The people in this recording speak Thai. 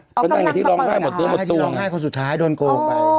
อ๋อกำลังจะเปิดนะฮะกำลังให้ที่ร้องไห้คนสุดท้ายโดนโกงไป